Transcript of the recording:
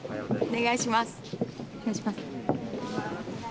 お願いします。